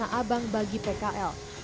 tanah abang bagi pkl